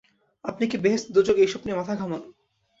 আপনি কি বেহেশত-দোজখ এইসব নিয়ে মাথা ঘামান?